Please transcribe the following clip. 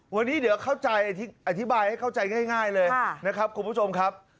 วันนี้เดี๋ยวเข้าใจอธิบายให้เข้าใจง่ายเลยนะครับคุณผู้ชมครับ